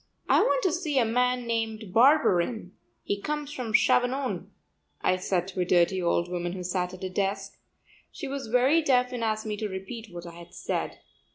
"I want to see a man named Barberin; he comes from Chavanon," I said to a dirty old woman who sat at a desk. She was very deaf and asked me to repeat what I had said.